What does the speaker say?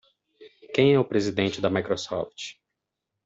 Quem é o presidente da Microsoft?